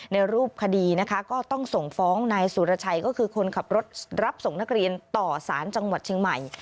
ในรูปคดีนะคะก็ต้องส่งฟ้องนายสุรชัยก็คือคนขับรถรับส่งนักเรียนต่อสารจังหวัดเชียงใหม่